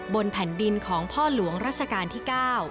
บนแผ่นดินของพ่อหลวงรัชกาลที่๙